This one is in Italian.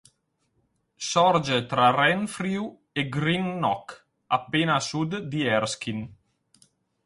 Sorge tra Renfrew e Greenock, appena a sud di Erskine.